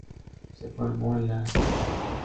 Se formó en la "St.